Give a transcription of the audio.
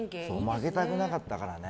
負けたくなかったからね。